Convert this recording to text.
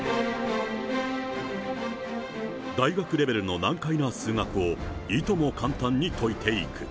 大学レベルの難解な数学を、いとも簡単に解いていく。